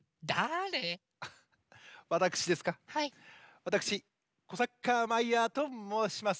わたくしコサッカーマイヤーともうします。